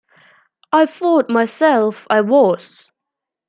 I thought myself I was.